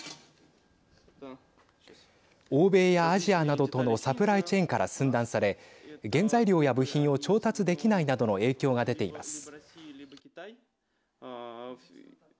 欧米やアジアなどとのサプライチェーンから寸断され原材料や部品を調達できないなどの影響が出ています。